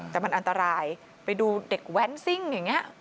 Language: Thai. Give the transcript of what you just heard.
แต่มันอันตรายไปดูเด็กแว้นซิ่งอย่างนี้